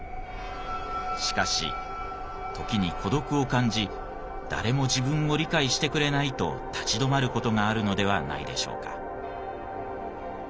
しかし時に孤独を感じ誰も自分を理解してくれないと立ち止まる事があるのではないでしょうか。